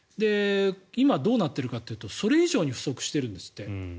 今、どうなってるかというとそれ以上に不足してるんですって。